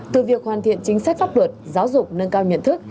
từ việc hoàn thiện chính sách pháp luật giáo dục nâng cao nhận thức